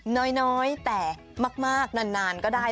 น้อยแต่มากนานก็ได้